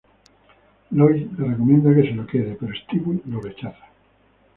Lois le recomienda que se lo quede, pero Stewie lo rechaza.